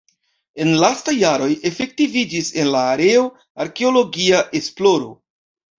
En lastaj jaroj efektiviĝis en la areo arkeologia esploro.